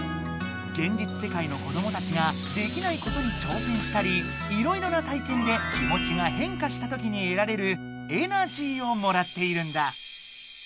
現実世界の子どもたちができないことに挑戦したりいろいろな体験で気もちがへんかしたときにえられる「エナジー」をもらっているんだ。